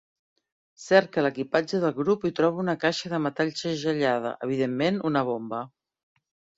Cerca a l'equipatge del grup i troba una caixa de metall segellada, evidentment una bomba.